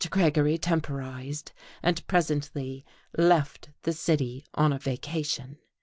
Gregory temporized, and presently left the city on a vacation.